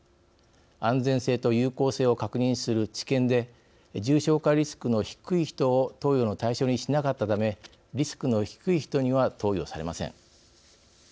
安全性と有効性を確認する治験で重症化リスクの低い人を投与の対象にしなかったためリスクの低い人には投与されません。